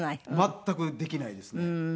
全くできないですね。